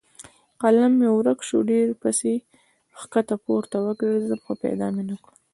قلم مې ورک شو؛ ډېر پسې کښته پورته وګرځېدم خو پیدا مې نه کړ.